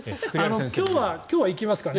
今日は行きますからね。